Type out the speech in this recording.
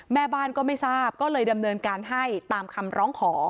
แม่บ้านก็ไม่ทราบก็เลยดำเนินการให้ตามคำร้องขอ